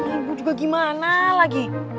ibu juga gimana lagi